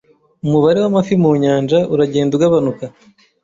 Umubare w'amafi mu nyanja uragenda ugabanuka.